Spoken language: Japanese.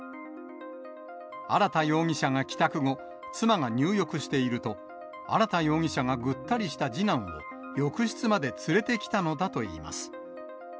荒田容疑者が帰宅後、妻が入浴していると、荒田容疑者がぐったりした次男を、浴室まで連れてきたのだといいます。